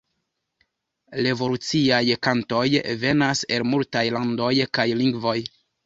Revoluciaj kantoj venas el multaj landoj kaj lingvoj.